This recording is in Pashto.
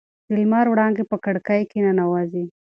د لمر وړانګې په کړکۍ کې ننوځي.